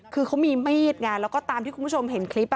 คือเขามีมีดไงแล้วก็ตามที่คุณผู้ชมเห็นคลิป